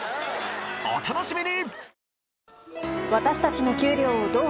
お楽しみに！